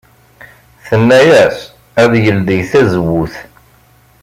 Tenna-as ad yeldey tazewwut.